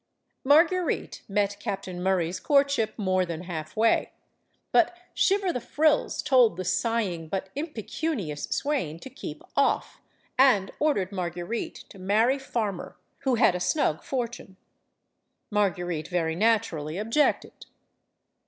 Marguerite met Captain Murray's courtship more than halfway. But Shiver the Frills told the sighing, but impecunious, swain to keep off, and ordered Mar guerite to marry Farmer, who had a snug fortune. Marguerite very naturally objected.